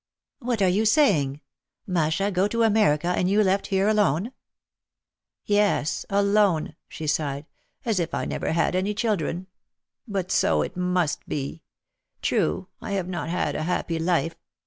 "What are you saying ? Masha go to America and you left here alone ?" "Yes, alone," she sighed, "as if I never had any chil dren. But so it must be. True, I have not had a happy life.